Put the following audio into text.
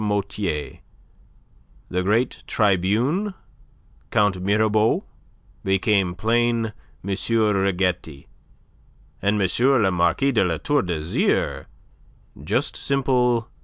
Motier, the great tribune Count Mirabeau became plain M. Riquetti, and M. le Marquis de La Tour d'Azyr just simple M.